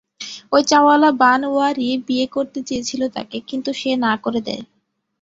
ওই চা-ওয়ালা বানওয়ারি, বিয়ে করতে চেয়েছিলো তাকে, কিন্তু সে না করে দেয়।